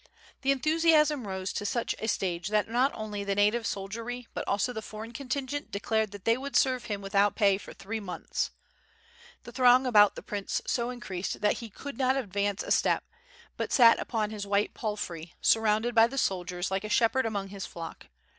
The enthusiasm rose to such a stage tRat not only the native soldiery but also the foreign contingent declared that they would serve him without pay for three months. The throng about the prince so increased that he could not advance a step; but sat upon his white palfrey sur rounded by the soldiers like a shepherd among his flock.